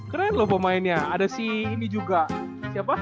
keren loh pemainnya ada si ini juga siapa